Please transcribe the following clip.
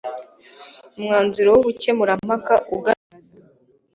umwanzuro w ubukemurampaka ugaragaza